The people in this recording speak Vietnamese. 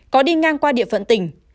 có đi ngang qua địa phận tỉnh